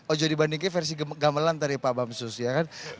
ojo dibanding ke versi gamelan dari pak bamsus ya kan